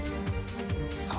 さあ